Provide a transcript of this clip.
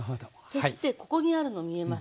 そしてここにあるの見えます？